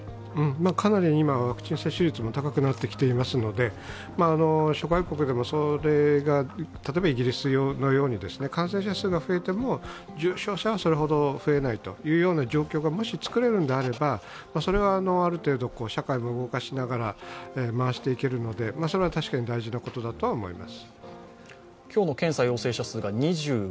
かなり今、ワクチン接種率も高くなってきていますので諸外国でも、例えばイギリスのように感染者数が増えても重症者はそれほど増えないという状況がもし作れるんであれば、それはある程度、社会を動かしながら回していけるのでそれは確かに大事なことだとは思います。